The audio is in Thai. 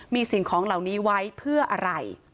มีสิ่งของเหล่านี้ไว้เพื่ออะไร